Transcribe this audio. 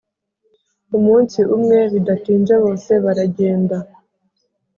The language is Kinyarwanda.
umunsi umwe, bidatinze bose baragenda.